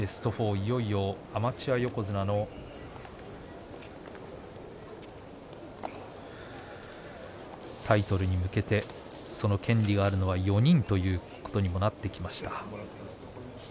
いよいよアマチュア横綱のタイトルに向けて、その権利があるのは４人ということになってきました。